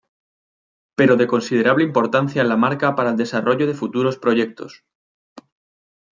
Pero de considerable importancia en la marca para el desarrollo de futuros proyectos.